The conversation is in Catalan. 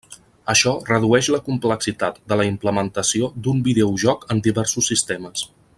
Això redueix la complexitat de la implementació d'un videojoc en diversos sistemes.